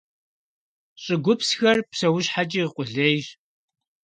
ЩӀыгупсхэр псэущхьэкӀи къулейщ.